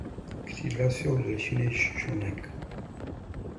Křídla jsou delší než člunek.